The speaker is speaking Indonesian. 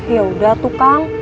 ya udah tukang